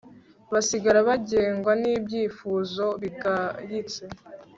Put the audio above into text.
basigara bagengwa n'ibyifuzo bigayitse